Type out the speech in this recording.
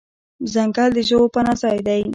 ځنګل د ژوو پناه ځای دی.